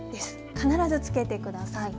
必ずつけてください。